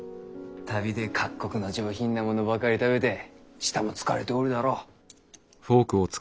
旅で各国の上品なものばかり食べて舌も疲れておるだろう。